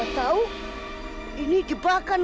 tahu ini jebakan